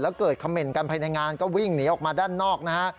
แล้วเกิดคำเมนต์กันภายในงานก็วิ่งหนีออกมาด้านนอกนะฮะ